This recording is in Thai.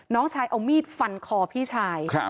น้องชายเอามีดฟันคอพี่ชาย